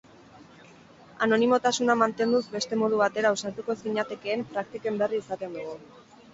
Anonimotasuna mantenduz beste modu batera ausartuko ez ginatekeen praktiken berri izaten dugu.